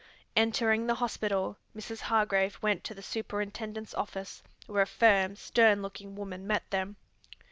Entering the hospital, Mrs. Hargrave went to the superintendent's office, where a firm, stern looking woman met them.